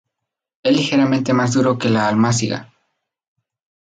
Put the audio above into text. Es ligeramente más duro que la almáciga.